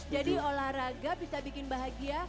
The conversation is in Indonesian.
jadi olahraga bisa bikin bahagia